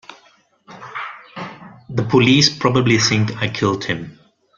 The police probably think I killed him.